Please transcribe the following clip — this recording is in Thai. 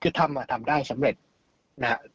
คือทำมาทำได้สำเร็จนะ